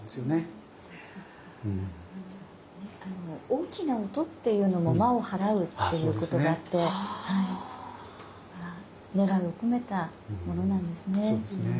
大きな音っていうのも「魔を払う」っていうことがあって願いを込めたものなんですね。